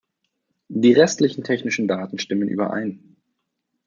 Die restlichen technischen Daten stimmen überein.